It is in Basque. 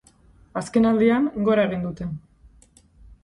Azkenaldian, gora egin dute.